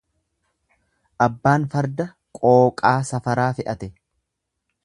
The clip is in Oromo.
Abbaan farda qooqaa safaraa fe'ate.